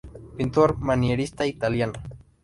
Pintor manierista italiano.